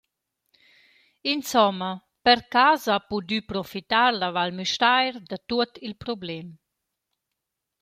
Insomma –per cas ha pudü profitar la Val Müstair da tuot il problem.